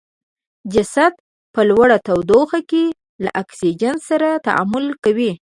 جست په لوړه تودوخه کې له اکسیجن سره تعامل کوي.